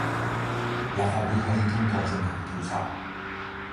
立法會可以通過進行調查